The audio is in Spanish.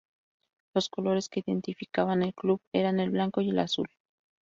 Los colores que identificaban al club eran el blanco y el azul.